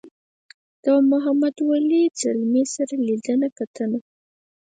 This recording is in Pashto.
له محمد ولي ځلمي سره لیدنه کتنه.